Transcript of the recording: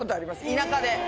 田舎で。